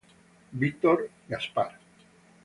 Vítor Gaspar